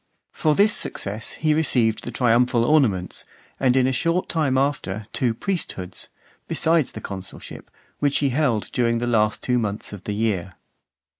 For this success he received the triumphal ornaments, and in a short time after two priesthoods, besides the consulship, which he held during the two last months of the year .